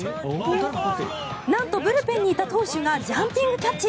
なんと、ブルペンにいた投手がジャンピングキャッチ！